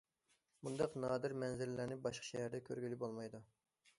بۇنداق نادىر مەنزىرىلەرنى باشقا شەھەردە كۆرگىلى بولمايدۇ.